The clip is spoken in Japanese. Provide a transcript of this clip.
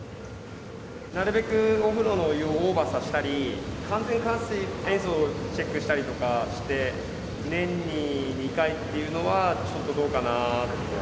なるべくお風呂のお湯をオーバーさせたり、完全換水、塩素をチェックしたりとかして、年に２回っていうのは、ちょっとどうかなとは。